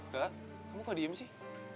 ke kamu kok diem sih